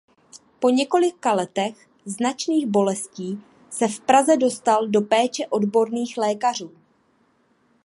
Po několika letech značných bolestí se v Praze dostal do péče odborných lékařů.